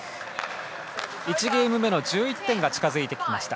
１ゲーム目の１１点が近づいてきました。